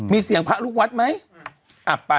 มีเสียงพระรุกวัดไหมอ่ะไป